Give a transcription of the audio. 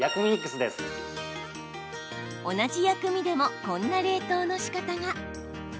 同じ薬味でもこんな冷凍のしかたが。